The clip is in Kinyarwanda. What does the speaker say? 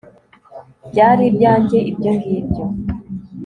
byari ibyanjye ibyongibyo